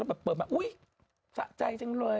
แบบเปิดมาอุ๊ยสะใจจังเลย